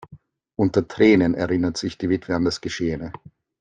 Unter Tränen erinnert sich die Witwe an das Geschehene.